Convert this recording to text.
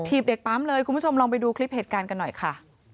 เด็กปั๊มเลยคุณผู้ชมลองไปดูคลิปเหตุการณ์กันหน่อยค่ะ